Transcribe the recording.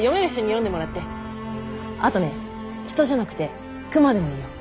あとね人じゃなくて熊でもいいよ！